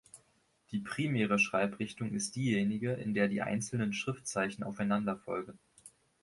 Die primäre Schreibrichtung ist diejenige, in der die einzelnen Schriftzeichen aufeinanderfolgen.